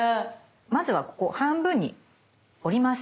まずはここ半分に折ります。